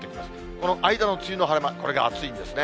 この間の梅雨の晴れ間、これが暑いんですね。